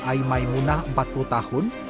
aimai munah empat puluh tahun